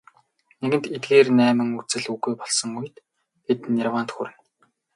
Нэгэнт эдгээр найман үзэл үгүй болсон үед бид нирваанд хүрдэг.